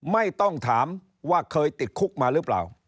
ไม่ต้องถามว่าเคยติดคุกมาหรือเปล่า